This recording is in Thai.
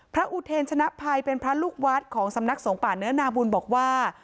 อุเทรชนะภัยเป็นพระลูกวัดของสำนักสงฆ์ป่าเนื้อนาบุญบอกว่า